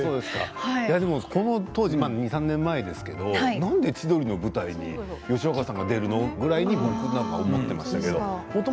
この当時、２、３年前ですけどなんで千鳥の舞台に吉岡さんが出るのぐらいに思っていました。